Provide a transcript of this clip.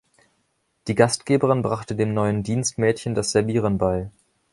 Die Gastgeberin brachte dem neuen Dienstmädchen das Servieren bei.